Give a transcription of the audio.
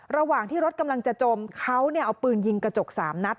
ระหว่างที่รถกำลังจะจมเขาเอาปืนยิงกระจก๓นัด